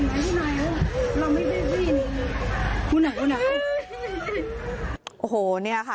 เฮ้ยเราไม่ได้ยินคุณหน่อยคุณหน่อยโอ้โหเนี้ยค่ะ